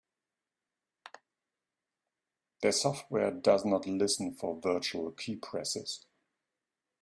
Their software does not listen for virtual keypresses.